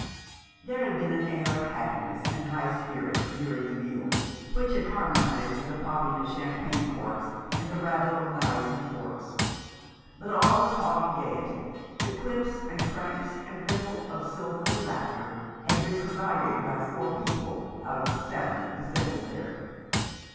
There had been an air of happiness and high spirits during the meal which' had harmonized with the popping of champagne corks, and the 373 Rough Justice. rattle of knives and forks ; but all the talk and gaiety, the quips and cranks and ripple of silvery laughter had been provided by four people out of the seven assembled there.